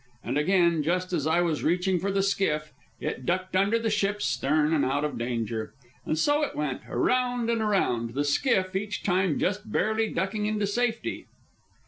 And again, just as I was reaching for the skiff, it ducked under the ship's stern and out of danger. And so it went, around and around, the skiff each time just barely ducking into safety.